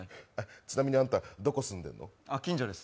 ちなみにあんた、どこ住んでんの？